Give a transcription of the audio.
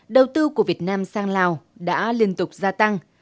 đầu tư của việt nam sang lào đã liên tục gia tăng